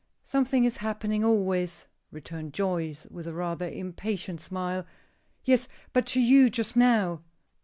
"Something is happening always," returned Joyce, with a rather impatient smile. "Yes, but to you just now."